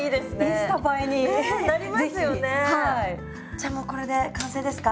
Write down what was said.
じゃあもうこれで完成ですか？